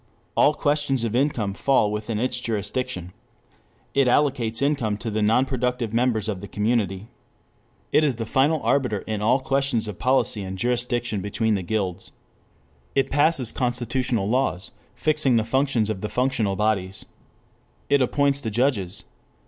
"All questions of income" fall within its jurisdiction. It "allocates" income to the non productive members of the community. It is the final arbiter in all questions of policy and jurisdiction between the guilds. It passes constitutional laws fixing the functions of the functional bodies. It appoints the judges.